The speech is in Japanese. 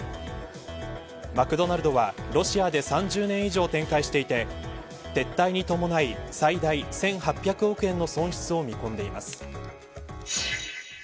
マクドナルドは、ロシアで３０年以上展開していて撤退に伴い最大１８００億円の損失を見込んでいます。